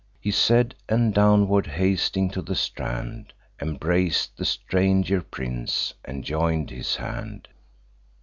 He said, and, downward hasting to the strand, Embrac'd the stranger prince, and join'd his hand.